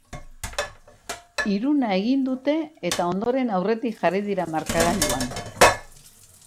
Hiruna egin dute eta ondoren aurretik jarri dira markagailuan.